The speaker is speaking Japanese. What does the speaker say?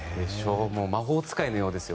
魔法使いのようですよ